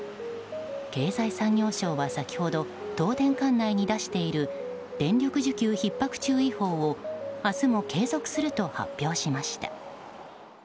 経済産業省は先ほど東電管内に出している電力需給ひっ迫注意報を明日も継続すると発表しました。